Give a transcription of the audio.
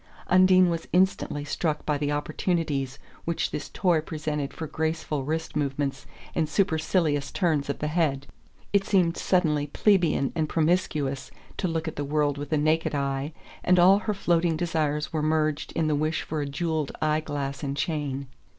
Undine was instantly struck by the opportunities which this toy presented for graceful wrist movements and supercilious turns of the head. It seemed suddenly plebeian and promiscuous to look at the world with a naked eye, and all her floating desires were merged in the wish for a jewelled eye glass and chain.